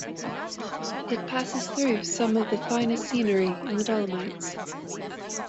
It passes through some of the finest scenery in the Dolomites.